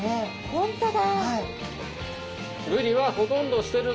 本当だ。